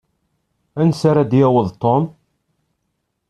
Ansa ara d-yaweḍ Tom?